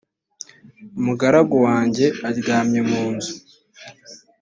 umugaragu wanjye aryamye mu nzu